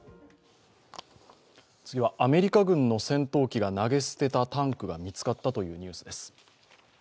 次は、アメリカ軍の戦闘機が投げ捨てたタンクが見つかったというニュースです。